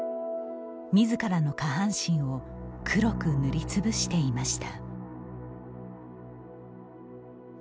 みずからの下半身を黒く塗りつぶしていました。